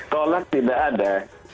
kolak tidak ada